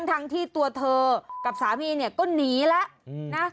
ทั้งที่ตัวเธอกับสามีเนี่ยก็หนีแล้วนะ